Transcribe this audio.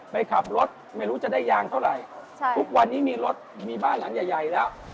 ไปขับรถไม่รู้จะได้ยางเท่าไหร่ทุกวันนี้มีรถมีบ้านหลังใหญ่ใหญ่แล้ว